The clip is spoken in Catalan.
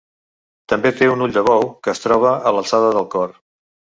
També té un ull de bou que es troba a l'alçada del cor.